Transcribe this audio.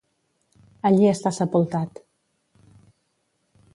Allí està sepultat.